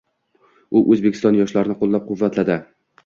U Oʻzbekiston yoshlarni qoʻllab-quvvatladi.